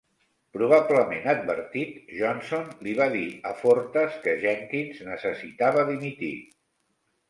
Probablement advertit, Johnson li va dir a Fortas que Jenkins necessitava dimitir.